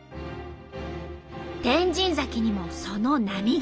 天神崎にもその波が。